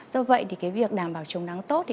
do vậy thì việc đảm bảo trồng đắng tốt